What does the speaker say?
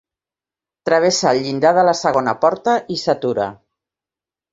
Travessa el llindar de la segona porta i s'atura.